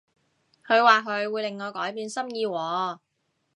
佢話佢會令我改變心意喎